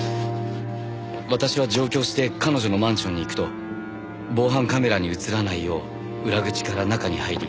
私は上京して彼女のマンションに行くと防犯カメラに映らないよう裏口から中に入り。